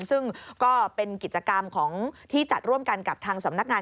ซึ่งก็เป็นกิจกรรมของที่จัดร่วมกันกับทางสำนักงาน